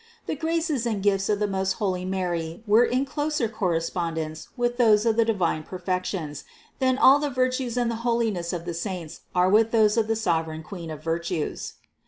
The graces and gifts of the most holy Mary were in closer correspondence with those of the divine perfections, than all the virtues and the holiness of the saints are with those of the sovereign Queen of virtues.